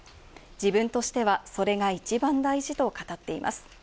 自分としては、それが一番大事と語っています。